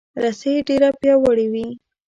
رسۍ ډیره پیاوړې وي.